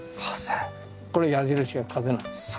これ矢印が風なんです。